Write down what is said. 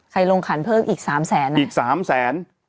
ใครลงขันเพิ่มอีก๓แสนนะอีก๓แสน